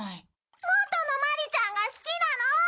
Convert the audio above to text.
元のマリちゃんが好きなの！